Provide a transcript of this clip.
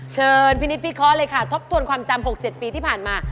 เชิญพี่นิดพิเคราะห์เลยค่ะทบทวนความจำ๖๗ปีที่ผ่านมา